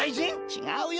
ちがうよ。